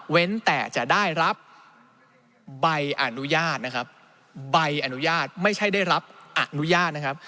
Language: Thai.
แต่จะได้รับใบอนุญาตนะครับใบอนุญาตไม่ใช่ได้รับอนุญาตนะครับ